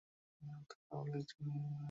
সাণ্ডেল অর্থাভাব লিখছেন, তথাহি তারকদাদা।